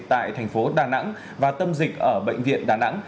tại thành phố đà nẵng và tâm dịch ở bệnh viện đà nẵng